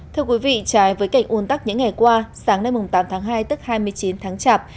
thưa quý vị trái với cảnh un tắc những ngày qua sáng nay tám tháng hai tức hai mươi chín tháng chạp